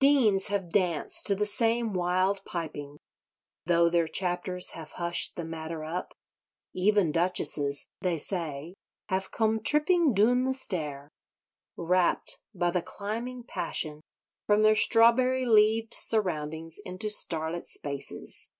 Deans have danced to the same wild piping, though their chapters have hushed the matter up. Even Duchesses (they say) have "come tripping doon the stair," rapt by the climbing passion from their strawberry leaved surroundings into starlit spaces.